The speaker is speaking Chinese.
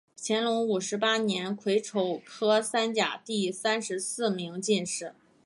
乾隆五十八年癸丑科三甲第三十四名进士。